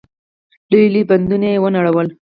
لوی لوی بندونه يې ونړول.